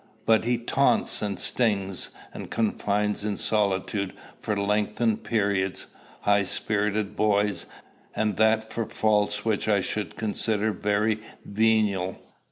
But he taunts and stings, and confines in solitude for lengthened periods, high spirited boys, and that for faults which I should consider very venial.